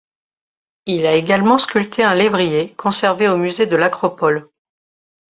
Il a également sculpté un lévrier, conservé au musée de l'acropole.